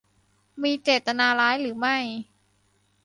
มีเจตนาร้ายหรือไม่